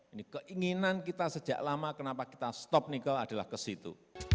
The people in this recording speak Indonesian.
ini keinginan kita sejak lama kenapa kita stop nikel adalah ke situ